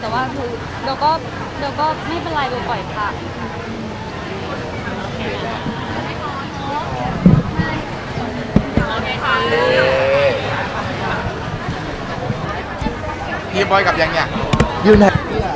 แต่ว่าคือเราก็ไม่เป็นไรบ่อยค่ะ